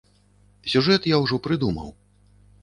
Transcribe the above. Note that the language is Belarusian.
Сюжэт я ўжо прыдумаў.